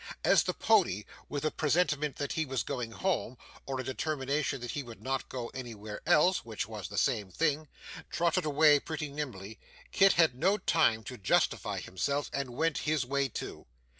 As the pony, with a presentiment that he was going home, or a determination that he would not go anywhere else (which was the same thing) trotted away pretty nimbly, Kit had no time to justify himself, and went his way also.